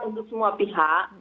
untuk semua pihak